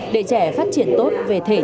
để trẻ phát triển tốt về thể trí